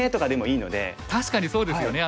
確かにそうですよね。